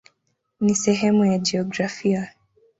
Ni sehemu ya jiografia.